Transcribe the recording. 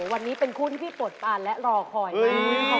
วันนี้เป็นคู่ที่พี่ปวดฟันและรอคอยมาก